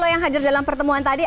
yang hadir dalam pertemuan tadi